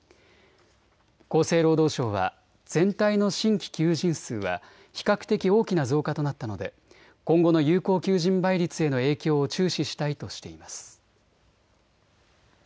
厚生労働省は全体の新規求人数は比較的大きな増加となったので今後の有効求人倍率への影響を注視したいとしています。